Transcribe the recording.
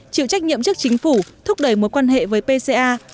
chịu trách nhiệm trước chính phủ thúc đẩy mối quan hệ với pca